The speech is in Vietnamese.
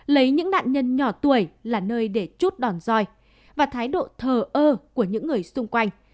lấy những nạn nhân nhỏ tuổi là nơi để chút đòn roi và thái độ thờ ơ của những người xung quanh